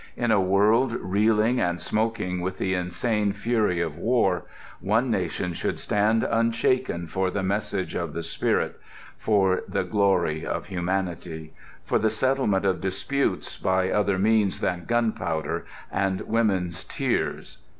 In a world reeling and smoking with the insane fury of war, one nation should stand unshaken for the message of the spirit, for the glory of humanity; for the settlement of disputes by other means than gunpowder and women's tears.